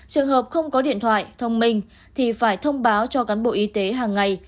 trường hợp không có điện thoại thông minh thì phải thông báo cho cán bộ y tế hàng ngày